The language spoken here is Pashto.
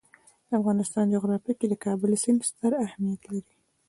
د افغانستان جغرافیه کې د کابل سیند ستر اهمیت لري.